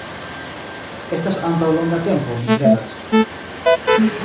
Estas antaŭ longa tempo, mi kredas